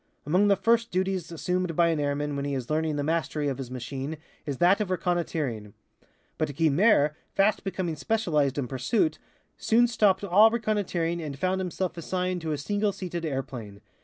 Among the first duties assumed by an airman when he is learning the mastery of his machine is that of reconnoitering. But Guynemer, fast becoming specialized in pursuit, soon stopped all reconnoitering and found himself assigned to a single seated airplane.